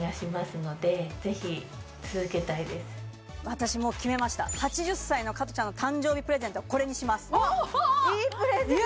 私もう決めました８０歳の加トちゃんの誕生日プレゼントはこれにしますいいプレゼント